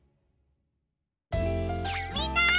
みんな！